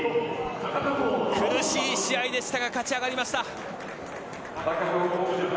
苦しい試合でしたが勝ち上がりました。